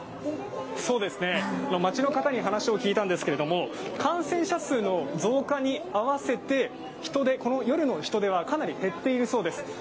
街の方に話を聞いたんですけれども感染者数の増加に合わせて夜の人出はかなり減っているそうです。